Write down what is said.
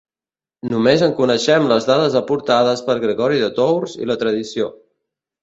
Només en coneixem les dades aportades per Gregori de Tours i la tradició.